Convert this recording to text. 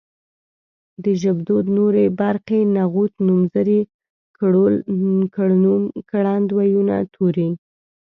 د ژبدود نورې برخې نغوت نومځری کړول کړنوم کړند وييونه توري